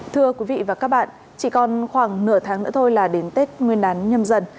thưa quý vị và các bạn chỉ còn khoảng nửa tháng nữa thôi là đến tết nguyên đán nhâm dần